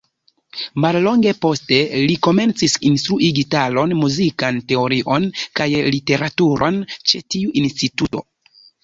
Mallonge poste li komencis instrui gitaron, muzikan teorion kaj literaturon ĉe tiu instituto.